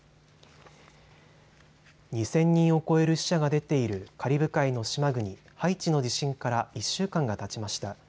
２０００人を超える死者が出ているカリブ海の島国、ハイチの地震から１週間がたちました。